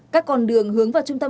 các con đường hướng vào trung tâm